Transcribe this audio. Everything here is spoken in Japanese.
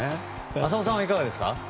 浅尾さんはいかがですか。